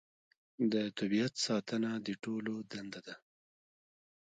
د طبیعت ساتنه د ټولو دنده ده